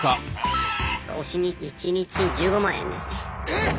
えっ！